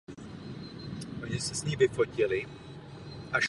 V téže sezoně vyhrál i Football League Cup.